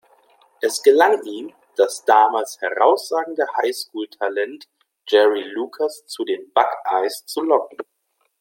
Es gelang ihm, das damals herausragende Highschool-Talent Jerry Lucas zu den Buckeyes zu locken.